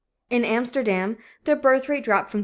] In Amsterdam, the birth rate dropped from 37.